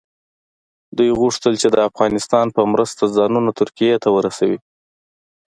دوی غوښتل چې د افغانستان په مرسته ځانونه ترکیې ته ورسوي.